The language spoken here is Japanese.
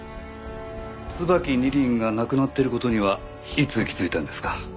『椿二輪』がなくなっている事にはいつ気づいたんですか？